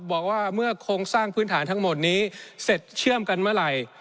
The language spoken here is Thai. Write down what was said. บอกว่าเมื่อโครงสร้างพื้นฐานทั้งหมดนี้เสร็จเชื่อมกันเมื่อไหร่